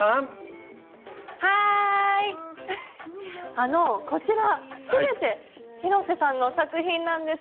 あのこちら全て広瀬さんの作品なんです。